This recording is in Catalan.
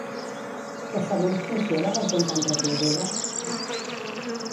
La següent funció va resultar entretinguda?